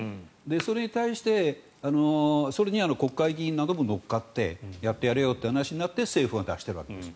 それに対してそれに国会議員なども乗っかってやってやれよという話になって政府が出しているわけです。